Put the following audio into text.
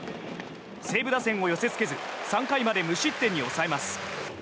西武打線を寄せつけず３回まで無失点に抑えます。